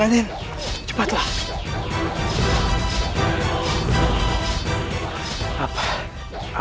apa yang aku lakukan adalah salahnya